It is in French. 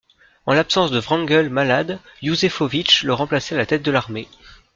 En l’absence de Wrangel malade, Iouzefovitch le remplaçait à la tête de l’armée.